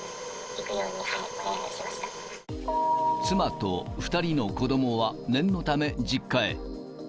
妻と２人の子どもは念のため、実家へ。